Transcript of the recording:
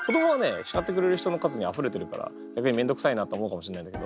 叱ってくれる人の数にあふれてるから逆に面倒くさいなと思うかもしれないんだけど。